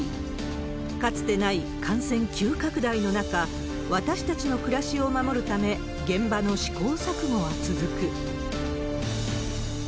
かつてない感染急拡大の中、私たちの暮らしを守るため、現場の試行錯誤は続く。